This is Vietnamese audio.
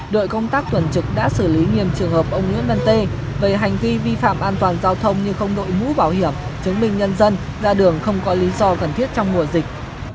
đội công tác tuần trực đã xử lý nghiêm trường hợp ông nguyễn văn tê về hành vi vi phạm an toàn giao thông như không đội mũ bảo hiểm chứng minh nhân dân ra đường không có lý do cần thiết trong mùa dịch